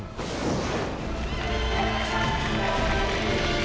พระพุทธเจ้า